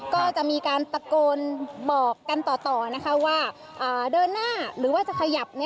ก็จะมีการตะโกนบอกกันต่อนะคะว่าเดินหน้าหรือว่าจะขยับ